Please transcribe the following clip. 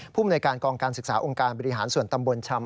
ภูมิในการกองการศึกษาองค์การบริหารส่วนตำบลชำ